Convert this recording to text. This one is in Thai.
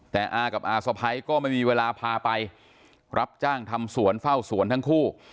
แต่อากับอาสะพ้ายก็ไม่มีเวลาพาไปรับจ้างทำสวนเฝ้าสวนทั้งคู่